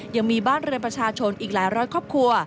ยังมีบ้านเรือนประชาชนอีกหลายร้อยครอบครัว